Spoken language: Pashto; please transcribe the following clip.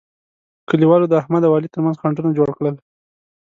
کلیوالو د احمد او علي ترمنځ خنډونه جوړ کړل.